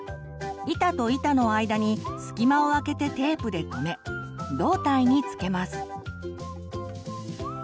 板と板の間に隙間をあけてテープで留め胴体に付けます。